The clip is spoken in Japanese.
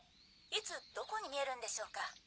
いつどこに見えるんでしょうか？